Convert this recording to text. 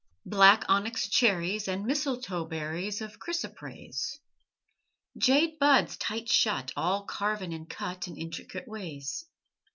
Black onyx cherries And mistletoe berries Of chrysoprase, Jade buds, tight shut, All carven and cut In intricate ways.